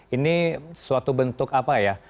ini suatu bentuk apa ya